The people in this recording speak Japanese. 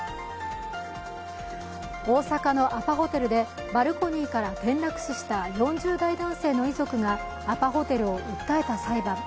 大阪のアパホテルでバルコニーから転落死した４０代男性の遺族がアパホテルを訴えた裁判。